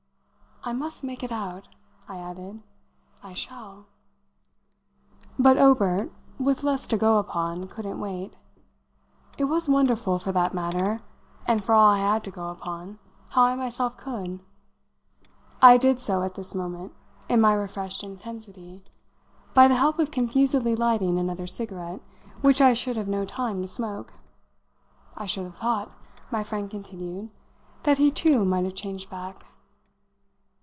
I must make it out," I added. "I shall." But Obert, with less to go upon, couldn't wait. It was wonderful, for that matter and for all I had to go upon how I myself could. I did so, at this moment, in my refreshed intensity, by the help of confusedly lighting another cigarette, which I should have no time to smoke. "I should have thought," my friend continued, "that he too might have changed back."